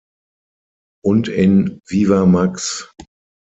Und in "Viva Max!